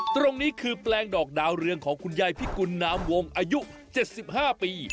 ตรงนี้คือแปลงดอกดาวเรืองของคุณยายพิกุลนามวงอายุ๗๕ปี